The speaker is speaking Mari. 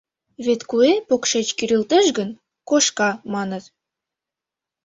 Вет куэ покшеч кӱрылтеш гын, кошка, маныт.